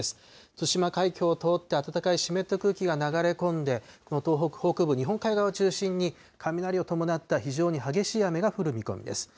対馬海峡を通って、暖かい湿った空気が流れ込んで、東北北部、日本海側を中心に雷を伴った非常に激しい雨が降る見込みです。